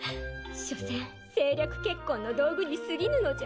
所詮政略結婚の道具に過ぎぬのじゃ。